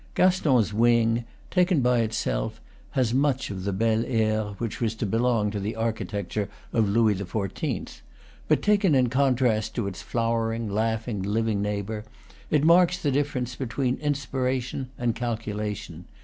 Gaston's wing, taken by itself, has much of the bel air which was to belong to the architecture of Louis XIV.; but, taken in contrast to its flowering, laughing, living neighbor, it marks the difference be tween inspiration and calculation.